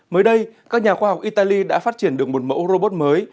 mới đây các nhà khoa học italy đã phát triển được một mẫu robot mới